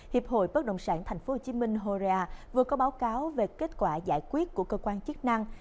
hiệp hội bất đồng sản tp hcm horea vừa có báo cáo về kết quả giải quyết của cơ quan chức năng